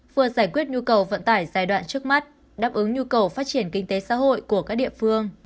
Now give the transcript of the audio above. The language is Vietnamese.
vừa giải quyết nhu cầu vận tải giai đoạn trước mắt đáp ứng nhu cầu phát triển kinh tế xã hội của các địa phương